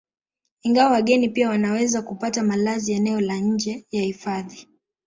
Ingawa wageni pia wanaweza kupata malazi eneo la nje ya hifadhi